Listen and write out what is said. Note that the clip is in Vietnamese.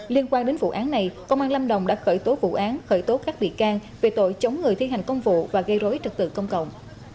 liên quan đến vụ án này công an lâm đồng đã khởi tố vụ án khởi tố các bị can về tội chống người thi hành công vụ và gây rối trật tự công cộng